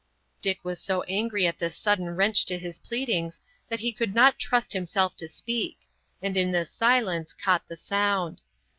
Dick was so angry at this sudden wrench to his pleadings that he could not trust himself to speak, and in this silence caught the sound.